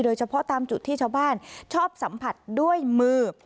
เฉพาะตามจุดที่ชาวบ้านชอบสัมผัสด้วยมือ